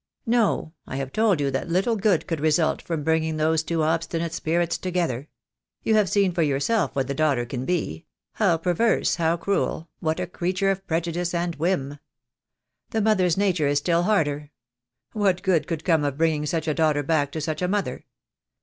"No. I have told you that little good could result from bringing those two obstinate spirits together. You have seen for yourself what the daughter can be — how perverse, how cruel, what a creature of prejudice and whim. The mother's nature is still harder. What good could come of bringing such a daughter back to such a mother?